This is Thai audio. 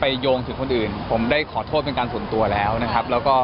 โยงถึงคนอื่นผมได้ขอโทษเป็นการส่วนตัวแล้วนะครับแล้วก็